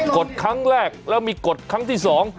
กดครั้งแรกแล้วมีกฎครั้งที่๒